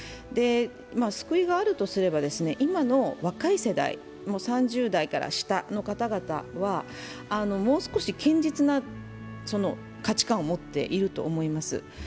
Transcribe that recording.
救いがあるとすれば、今の若い世代３０代より下の方はもう少し堅実な価値観を持っていると思います。